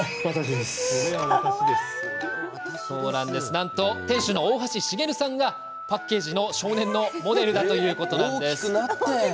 なんと店主の大橋茂さんがパッケージの少年のモデルだということなんです。